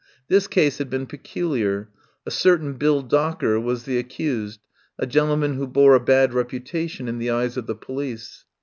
This case had been peculiar. A certain Bill Docker was the ac cused, a gentleman who bore a bad reputa tion in the eyes of the police.